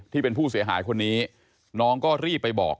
ที่เป็นผู้เสียหายคนนี้น้องก็รีบไปบอก